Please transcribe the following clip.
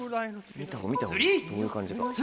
見た方がいい見た方がいいどういう感じか。